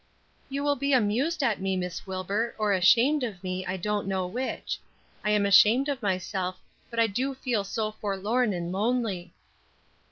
"You will be amused at me, Miss Wilbur, or ashamed of me, I don't know which. I am ashamed of myself, but I do feel so forlorn and lonely."